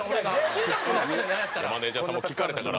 マネージャーさんも聞かれたから。